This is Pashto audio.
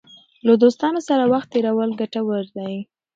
له دوستانو سره وخت تېرول ګټور دی.